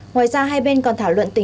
ngoài ra hai bên còn thảo luận tình huống